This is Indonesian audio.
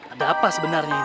ada apa sebenarnya ini